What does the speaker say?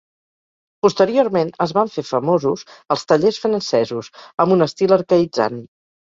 Posteriorment es van fer famosos els tallers francesos, amb un estil arcaïtzant.